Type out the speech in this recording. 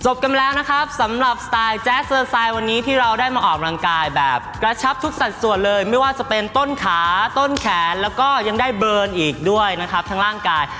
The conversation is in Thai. กันแล้วนะครับสำหรับสไตล์แจ๊สเตอร์ไซด์วันนี้ที่เราได้มาออกกำลังกายแบบกระชับทุกสัดส่วนเลยไม่ว่าจะเป็นต้นขาต้นแขนแล้วก็ยังได้เบิร์นอีกด้วยนะครับทั้งร่างกาย